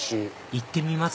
行ってみます？